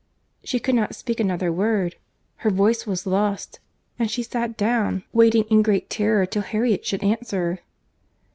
—" She could not speak another word.—Her voice was lost; and she sat down, waiting in great terror till Harriet should answer.